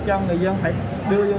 cho người dân phải đưa vô